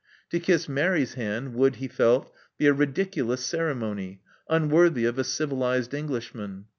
To kiss Mary's hand would, he felt, be a ridiculous ceremony, unworthy of a civilized Englishman.